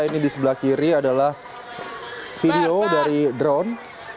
ini di sebelah kiri adalah video dari drone